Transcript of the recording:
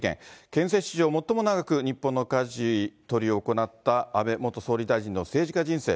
憲政史上、最も長く日本のかじ取りを行った安倍元総理大臣の政治家人生。